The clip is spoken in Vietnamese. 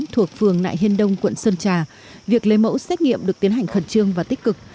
thuộc phường nại hiên đông quận sơn trà việc lấy mẫu xét nghiệm được tiến hành khẩn trương và tích cực